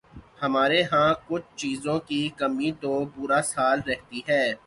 ہمارے ہاں کچھ چیزوں کی کمی تو پورا سال رہتی ہے۔